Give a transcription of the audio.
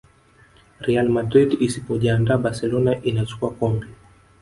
real madrid isipojiandaa barcelona inachukua kombe